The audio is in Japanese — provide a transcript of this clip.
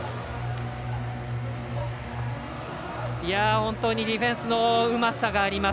本当にディフェンスのうまさがあります。